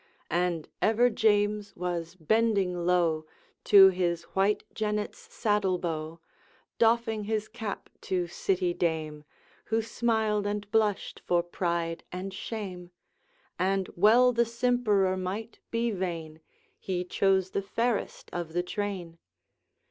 And ever James was bending low To his white jennet's saddle bow, Doffing his cap to city dame, Who smiled and blushed for pride and shame. And well the simperer might be vain, He chose the fairest of the train.